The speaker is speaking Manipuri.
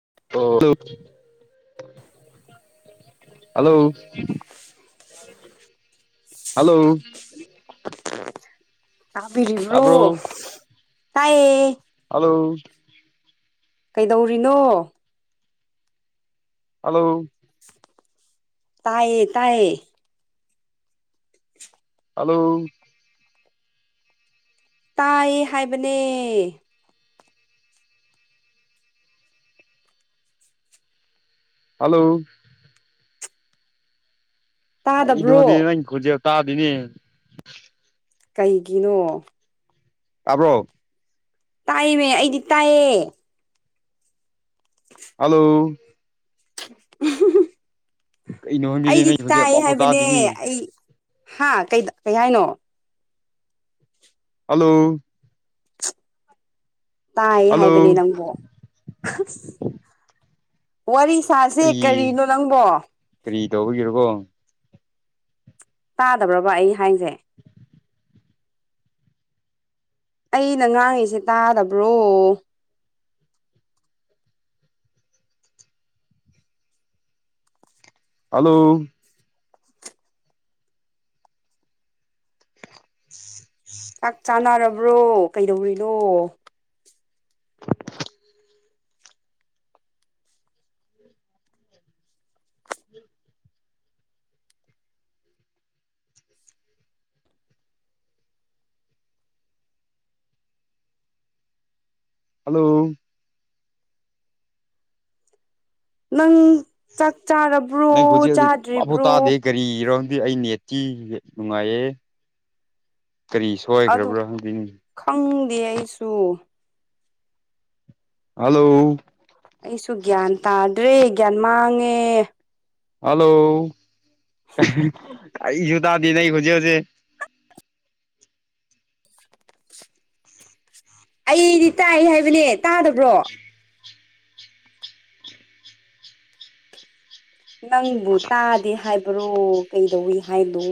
ꯑꯣ ꯍꯜꯂꯣ ꯍꯜꯂꯣ ꯇꯥꯕꯤꯔꯤꯕ꯭ꯔꯣ ꯇꯥꯕ꯭ꯔꯣ ꯇꯥꯏꯌꯦ ꯍꯜꯂꯣ ꯀꯩꯗꯧꯔꯤꯅꯣ ꯍꯜꯂꯣ ꯇꯥꯏꯌꯦ ꯇꯥꯏꯌꯦ ꯍꯜꯂꯣ ꯇꯥꯏꯑꯦ ꯍꯥꯏꯕꯅꯦ ꯍꯜꯂꯣ ꯇꯥꯗꯕ꯭ꯔꯣ ꯀꯔꯤꯅꯣꯅꯦ ꯅꯪꯒꯤ ꯈꫭꯟꯖꯦꯜ ꯇꯥꯗ‌ꯦꯅ‌ꯦ ꯀꯩꯒꯤꯅꯣ ꯇꯥꯕ꯭ꯔꯣ ꯇꯥꯏꯃꯤ ꯑꯩꯗꯤ ꯇꯥꯏꯌ‌ꯦ ꯍꯜꯂꯣ ꯀꯩꯅꯣ ꯈꯪꯗꯦꯅꯦ ꯑꯩꯗꯤ ꯅꯪ ꯈꯣꯟꯖꯦꯜ ꯇꯥꯏ ꯑꯃꯐꯥꯎ ꯍꯥꯏꯕꯅꯦ ꯇꯥꯗꯦꯅꯦ ꯑꯩ ꯍꯥ ꯀꯩ ꯀꯩ ꯍꯥꯏꯅꯣ ꯍꯜꯂꯣ ꯇꯥꯏ ꯍꯥꯏꯕꯅꯦ ꯍꯜꯂꯣ ꯅꯪꯕꫭ ꯍꯁ ꯋꯥꯔꯤ ꯁꯥꯥꯁꯦ ꯀꯔꯤ ꯀꯔꯤꯅꯣ ꯅꯪꯕꯣ ꯀꯔꯤ ꯇꯧꯕꯒꯤꯔꯣꯀꯣ ꯇꯥꯗꯕ꯭ꯔꯕ ꯑꯩ ꯍꯥꯏꯁꯦ ꯑꯩꯅ ꯉꯥꯡꯉꯤꯁꯦ ꯇꯥꯗꯕ꯭ꯔꯣ ꯍꯜꯂꯣ [unintelligible] ꯆꯥꯛ ꯆꯥꯅꯔꯕ꯭ꯔꯣ ꯀꯩꯗꯧꯔꯤꯅꯣ ꯍꯜꯂꯣ ꯅꯪ ꯆꯥꯛ ꯆꯥꯔꯕ ꯅꯪ ꯈꯨꯟꯖꯦꯜꯖꯤ ꯑꯃꯕꯨ ꯇꯥꯗꯦ ꯀꯔꯤꯔꯣꯗꯤ ꯑꯩ ꯅꯦꯠꯇꯀꯤ ꯅꯦꯠ ꯅꯨꯡꯉꯥꯏꯌꯦ ꯀꯔꯤ ꯑꯗꯨ ꯁꯣꯏꯈ꯭ꯔꯕ꯭ꯔꯥ ꯈꯪꯗꯦꯅꯦ ꯈꯪꯗꯦ ꯑꯩꯁꯨ ꯍꯜꯂꯣ ꯑꯩꯁꯨ ꯒ꯭ꯌꯥꯟ ꯇꯥꯗ꯭ꯔꯦ ꯒ꯭ꯌꯥꯟ ꯃꯥꯡꯉꯦ ꯍꯜꯂꯣ ꯀꯔꯤꯁꯨ ꯇꯥꯗꯦ ꯅꯪꯒꯤ ꯈꯣꯟꯖꯦꯜꯁꯦ ꯑꯩꯗꯤ ꯇꯥꯏ ꯍꯥꯏꯕꯅꯦ ꯇꯥꯗꯕ꯭ꯔꯣ ꯅꯪꯕꯨ ꯇꯥꯗꯦ ꯍꯥꯏꯕ꯭ꯔꯣ ꯀꯩꯗꯧꯋꯤ ꯍꯥꯏꯂꯣ